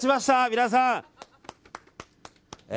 皆さん。